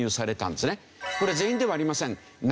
これ全員ではありません。